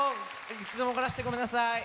いつも困らせて、ごめんなさい。